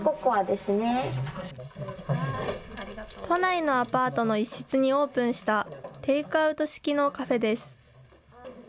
都内のアパートの一室にオープンしたテイクアウト式のカフェです。